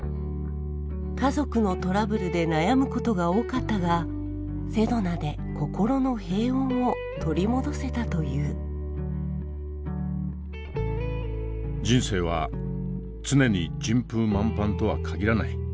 家族のトラブルで悩む事が多かったがセドナで心の平穏を取り戻せたという人生は常に順風満帆とは限らない。